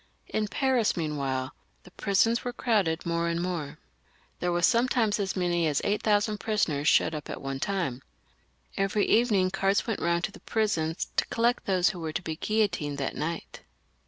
In Paris, meanwhile, the prisons were crowded more and more. There were sometimes as many as eight thousand prisoners shut up at one time. Every evening carts went round to the prisons to collect those who were to be guillotined that night.